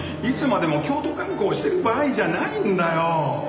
いつまでも京都観光してる場合じゃないんだよ！